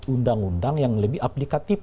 undang undang yang lebih aplikatif